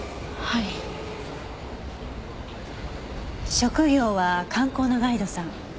職業は観光のガイドさん？